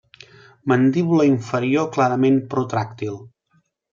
Mandíbula inferior clarament protràctil.